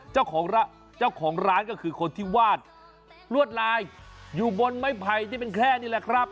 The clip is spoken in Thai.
เจ้าของร้านก็คือคนที่วาดรวดลายอยู่บนไม้ไผ่จะเป็นแค่นี้แหละครับ